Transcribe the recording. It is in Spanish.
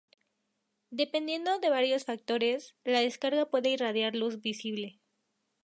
Dependiendo de varios factores, la descarga puede irradiar luz visible.